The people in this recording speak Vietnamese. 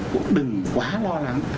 cũng đừng quá lo lắng